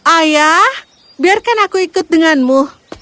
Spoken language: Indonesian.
ayah biarkan aku ikut denganmu